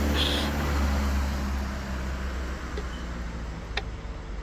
তাঁর অফিশিয়াল সাইটটি হ্যাক হয়ে যাওয়ার বিষয়টি সঙ্গে সঙ্গেই ভক্তদের জানিয়ে দিয়েছেন।